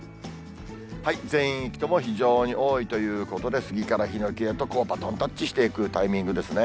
全域とも非常に多いということで、スギからヒノキへとこう、バトンタッチしていくタイミングですね。